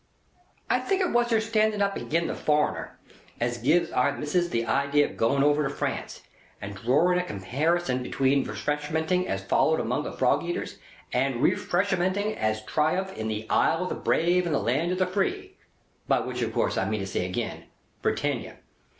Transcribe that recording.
I think it was her standing up agin the Foreigner, as giv' Our Missis the idea of going over to France, and droring a comparison betwixt Refreshmenting as followed among the frog eaters, and Refreshmenting as triumphant in the Isle of the Brave and Land of the Free (by which of course I mean to say agin, Britannia).